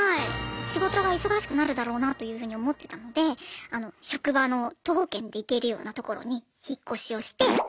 仕事が忙しくなるだろうなというふうに思ってたので職場の徒歩圏で行けるような所に引っ越しをして。